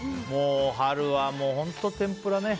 春はもう、本当、天ぷらね。